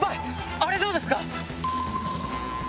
あれどうですか？